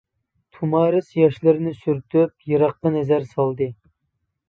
تۇمارىس ياشلىرىنى سۈرتۈپ يىراققا نەزەر سالدى.